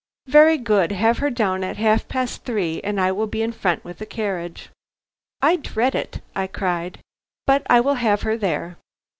"Very good; have her down at half past three and I will be in front with a carriage." "I dread it," I cried; "but I will have her there."